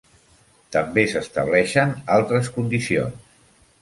També s'estableixen altres condicions.